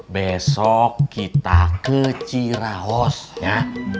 besok kita ke ciraos ya